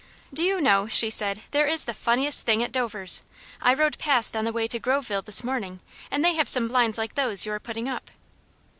"Do you know," she said, "there is the funniest thing at Dovers'. I rode past on the way to Groveville this morning and they have some blinds like those you are putting up."